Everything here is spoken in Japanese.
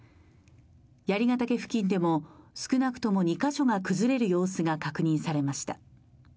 槍ヶ岳付近でも、少なくとも２カ所が崩れる様子が確認されました。